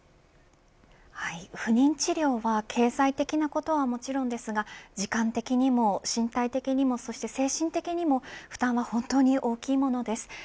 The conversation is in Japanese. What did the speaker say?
不妊治療は経済的なことはもちろんですが時間的にも身体的にもそして精神的にも負担は本当に大きいものです。